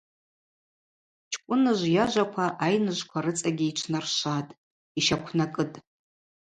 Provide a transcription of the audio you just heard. Чкӏвыныжв йажваква айныжвква рыцӏагьи йчвнаршватӏ, йщаквнакӏытӏ.